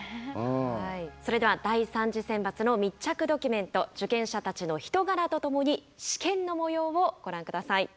それでは第３次選抜の密着ドキュメント受験者たちの人柄と共に試験のもようをご覧下さい。